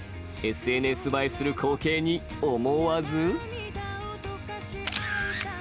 ＳＮＳ映えする光景に、思わず。